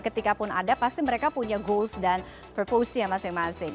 ketika pun ada pasti mereka punya goals dan purpose nya masing masing